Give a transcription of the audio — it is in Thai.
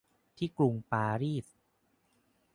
ที่กรุงปารีส